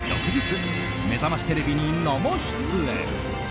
翌日、「めざましテレビ」に生出演。